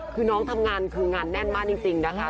คือน้องทำงานคืองานแน่นมากจริงนะคะ